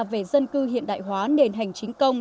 về dân cư hiện đại hóa nền hành chính công